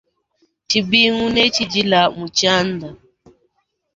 Tshibingu ne tshdila mu tshianda.